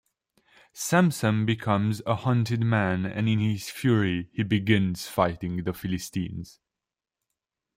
Samson becomes a hunted man and in his fury he begins fighting the Philistines.